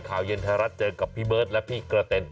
ข่าวเย็นไทยรัฐเจอกับพี่เบิร์ตและพี่กระเต็น